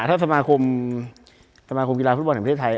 ถ้าสมาคมสมาคมกีฬาฟุตบอลแห่งประเทศไทย